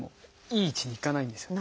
いい位置にいかないんですよ。